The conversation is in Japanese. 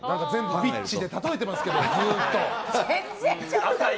ピッチで例えていますけどずっと。